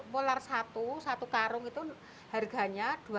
polar satu satu karung itu harganya dua ratus lima puluh rupiah